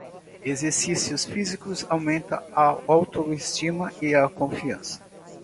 Exercícios físicos aumentam a autoestima e a confiança.